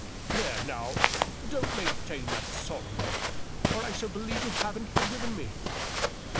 There, now, don't maintain that solemn look, or I shall believe you haven't forgiven me."